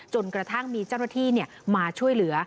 จนกระทั่งมีเจ้าหน้าที่มาช่วยเหลือ